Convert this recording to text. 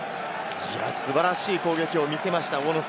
素晴らしい攻撃を見せました。